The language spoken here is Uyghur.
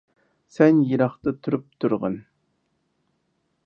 سەن يىراقتا تۇرۇپ تۇرغىن.